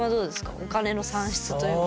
お金の算出というか。